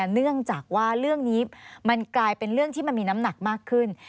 เนื่องจากว่าเรื่องนี้มันกลายเป็นเรื่องที่มันมีน้ำหนักมากขึ้น